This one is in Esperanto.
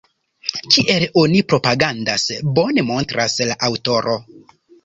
Kiel oni propagandas, bone montras la aŭtoro.